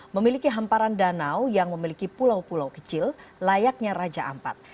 memiliki hamparan danau yang memiliki pulau pulau kecil layaknya raja ampat